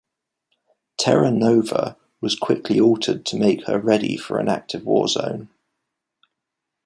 "Terra Nova" was quickly altered to make her ready for an active war zone.